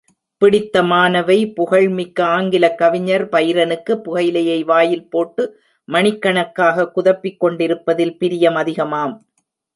பிடித்தமானவை புகழ்மிக்க ஆங்கிலக் கவிஞர் பைரனுக்கு புகையிலையை வாயில் போட்டு, மணிக்கணக்காக குதப்பிக் கொண்டிருப்பதில் பிரியம் அதிகமாம்.